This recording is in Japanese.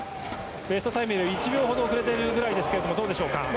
ベストタイムより１秒ほど遅れているぐらいですがどうでしょうか。